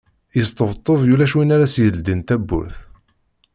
Yesṭebṭeb ulac win i as-d-yeldin tawwurt.